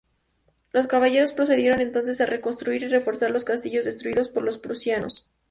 Los Caballeros procedieron entonces a reconstruir y reforzar los castillos destruidos por los prusianos.